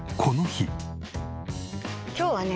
今日はね